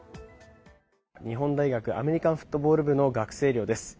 日本大学アメリカンフットボール部の学生寮です。